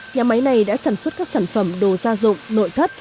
nhà máy này đã sản xuất các sản phẩm đồ gia dụng nội thất